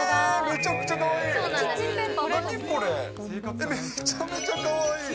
めちゃくちゃかわいい。